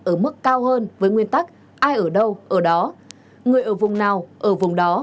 ở mức cao hơn với nguyên tắc ai ở đâu ở đó người ở vùng nào ở vùng đó